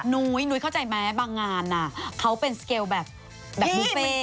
นุ้ยนุ้ยเข้าใจไหมบางงานเขาเป็นสเกลแบบบุฟเฟ่